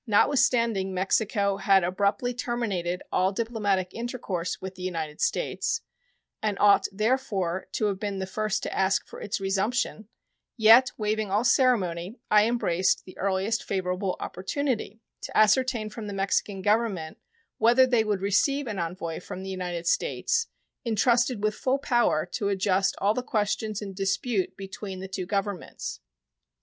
Notwithstanding Mexico had abruptly terminated all diplomatic intercourse with the United States, and ought, therefore, to have been the first to ask for its resumption, yet, waiving all ceremony, I embraced the earliest favorable opportunity "to ascertain from the Mexican Government whether they would receive an envoy from the United States intrusted with full power to adjust all the questions in dispute between the two Governments."